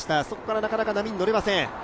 そこからなかなか波に乗れません。